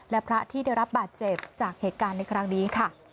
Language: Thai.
และพระที่ได้รับบาดเจ็บจากเหตุการณ์ในครั้งนี้ค่ะ